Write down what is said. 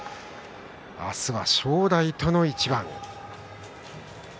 明日は正代との一番です。